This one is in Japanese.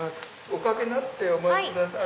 おかけになってお待ちください